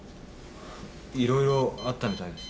いろいろあったみたいです。